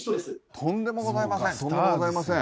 とんでもございません。